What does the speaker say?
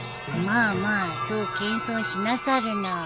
まあまあそう謙遜しなさるな。